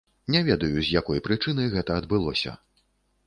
Не ведаю, з якой прычыны гэта адбылося.